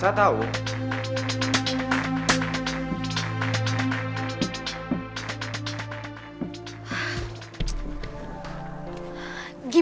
tiga harus dikira